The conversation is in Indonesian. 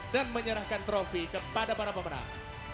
dan menyerahkan trofi kepada para pemenang